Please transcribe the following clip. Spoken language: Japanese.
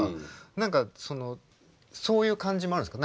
何かそういう感じもあるんですか？